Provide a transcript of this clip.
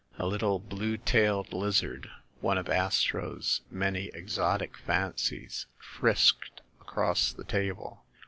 A little blue tailed lizard, one of Astro's many exotic fancies, frisked across the table.